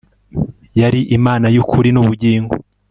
Yari Imana yukuri nubugingo